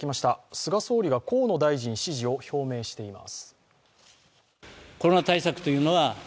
菅総理が河野大臣支持を表明しています。